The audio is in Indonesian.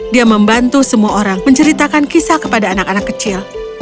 dia membantu semua orang menceritakan kisah kepada anak anak kecil